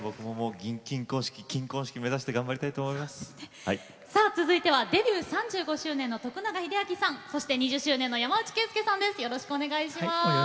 銀婚式、金婚式、目指して次はデビュー３５周年の徳永英明さん２０周年の山内惠介さんです。